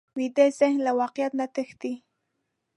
ویده ذهن له واقعیت نه تښتي